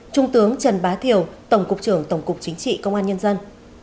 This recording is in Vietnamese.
trung tướng trần bá thiều tổng cục trưởng tổng cục chính trị công an nhân dân